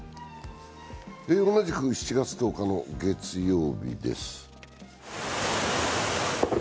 同じく７月１０日の月曜日です